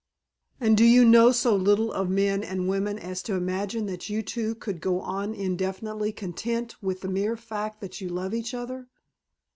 "And do you know so little of men and women as to imagine that you two could go on indefinitely content with the mere fact that you love each other?